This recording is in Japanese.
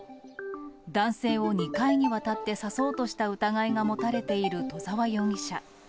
男性を２回にわたって刺そうとした疑いが持たれている戸澤容疑者。